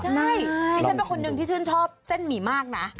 ใช่ดิฉันเป็นคนนึงที่ชื่นชอบเส้นหมี่มากนะ